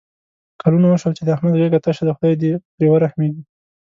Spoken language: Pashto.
کلونه وشول چې د احمد غېږه تشه ده. خدای دې پرې ورحمېږي.